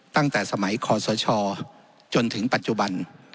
ตั้งแต่สมัยคอสชจนถึงปัจจุบัน